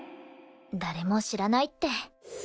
誰も知らないって。